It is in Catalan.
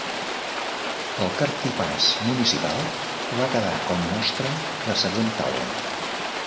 El cartipàs municipal va quedar com mostra la següent taula.